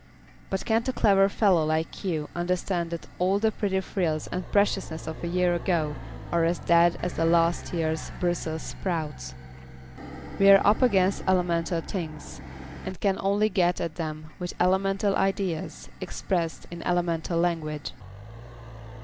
But can't a clever fellow like you understand that all the pretty frills and preciousness of a year ago are as dead as last year's Brussels sprouts? We're up against elemental things and can only get at them with elemental ideas expressed in elemental language."